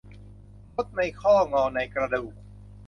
คดในข้องอในกระดูก